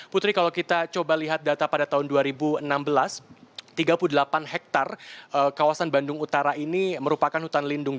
putri kalau kita coba lihat data pada tahun dua ribu enam belas tiga puluh delapan hektare kawasan bandung utara ini merupakan hutan lindung